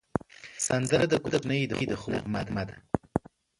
سندره د کوچنیو د خوب نغمه ده